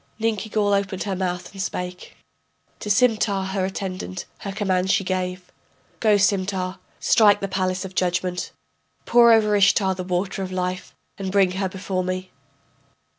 Ninkigal opened her mouth and spake, To Simtar, her attendant, her command she gave. Go, Simtar, strike the palace of judgment, Pour over Ishtar the water of life, and bring her before me.